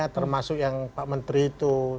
termasuk yang pak menteri itu